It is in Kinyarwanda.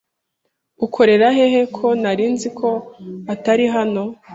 Ukorera hehe ko narinziko atari hano?